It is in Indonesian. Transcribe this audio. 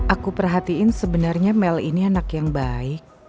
aku perhatiin sebenarnya mel ini anak yang baik